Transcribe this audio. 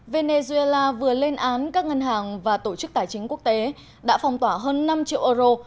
venezuela vừa lên án các ngân hàng và tổ chức tài chính quốc tế đã phong tỏa hơn năm triệu euro